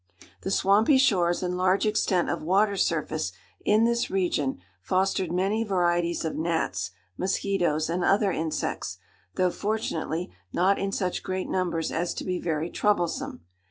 The swampy shores and large extent of water surface in this region fostered many varieties of gnats, mosquitoes, and other insects, though, fortunately, not in such great numbers as to be very troublesome.